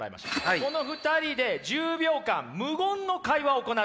この２人で１０秒間無言の会話を行ってもらいます。